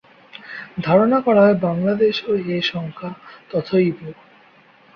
ধারণা করা হয় বাংলাদেশেও এ সংখ্যা তথৈব।